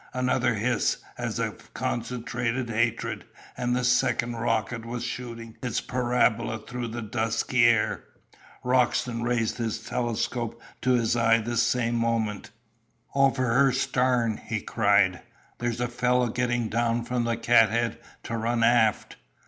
Another hiss, as of concentrated hatred, and the second rocket was shooting its parabola through the dusky air. Roxton raised his telescope to his eye the same moment. "Over her starn!" he cried. "There's a fellow getting down from the cat head to run aft.